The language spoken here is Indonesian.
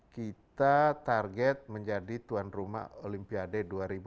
kita target menjadi tuan rumah olimpiade dua ribu dua puluh